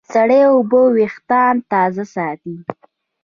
سړې اوبه وېښتيان تازه ساتي.